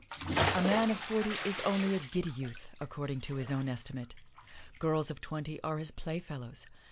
A man of forty is only a giddy youth, according to his own estimate. Girls of twenty are his playfellows.